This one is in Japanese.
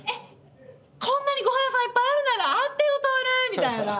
こんなにご飯屋さんいっぱいあるならあってよトイレ！みたいな。